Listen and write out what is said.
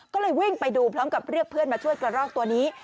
ก็เลยวิ่งไปดูพร้อมกับเรียกเพื่อนมาช่วยกระรอกตัวนี้